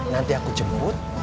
nanti aku jemput